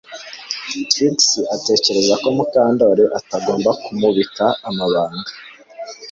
Trix atekereza ko Mukandoli atagomba kumubika amabanga